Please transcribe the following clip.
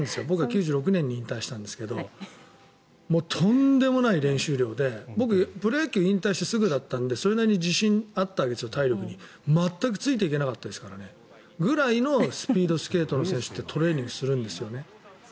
僕は９６年に引退したんですけどもう、とんでもない練習量で僕、プロ野球引退してすぐだったんで体力に自信があったんですが全くついていかなかったですからそれぐらいスピードスケートの選手ってトレーニングするんですよね。